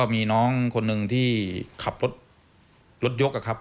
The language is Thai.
มีน้องคนนึงที่ขับรถ